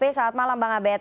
selamat malam bang abed